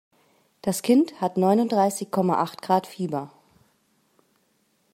Das Kind hat neununddreißig Komma acht Grad Fieber.